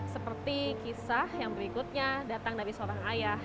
seperti kisah yang berikutnya datang dari seorang ayah